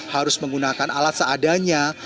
harus menggunakan alat seadanya